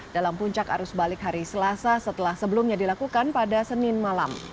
dalam puncak arus balik hari selasa setelah sebelumnya dilakukan pada senin malam